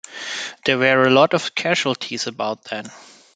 There were a lot of casualties about then.